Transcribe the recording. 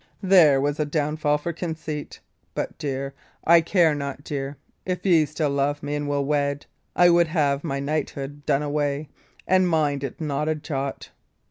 There was a downfall for conceit! But, dear, I care not dear, if ye still love me and will wed, I would have my knighthood done away, and mind it not a jot."